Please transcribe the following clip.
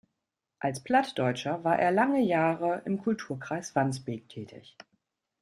Als Plattdeutscher war er lange Jahre im Kulturkreis Wandsbek tätig.